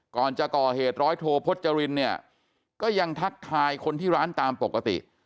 ก่อนจะก่อเหตุร้อยโทพจรินเนี่ยก็ยังทักทายคนที่ร้านตามปกติ